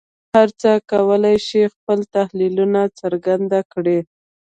هر څوک وکولای شي خپل تحلیلونه څرګند کړي